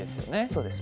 そうです。